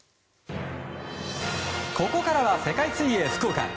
ここからは世界水泳福岡。